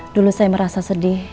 dulu saya merasa sedih